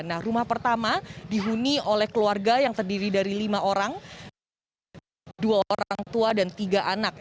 nah rumah pertama dihuni oleh keluarga yang terdiri dari lima orang dua orang tua dan tiga anak